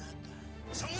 aku ini juragan